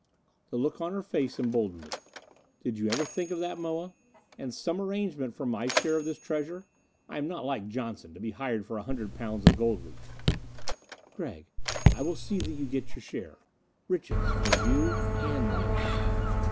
The look on her face emboldened me. "Did you ever think of that, Moa? And some arrangement for my share of this treasure? I am not like Johnson, to be hired for a hundred pounds of gold leaf." "Gregg, I will see that you get your share. Riches, for you and me."